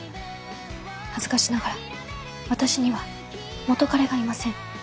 恥ずかしながら私には元カレがいません。